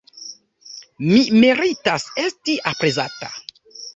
Mi meritas esti aprezata.